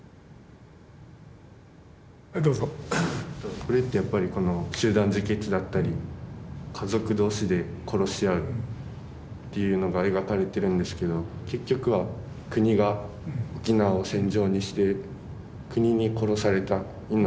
これってやっぱり集団自決だったり家族同士で殺し合うっていうのが描かれてるんですけど結局は国が沖縄を戦場にして国に殺された命。